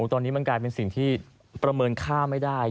ตอนนี้มันกลายเป็นสิ่งที่ประเมินค่าไม่ได้